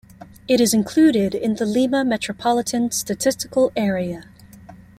It is included in the Lima Metropolitan Statistical Area.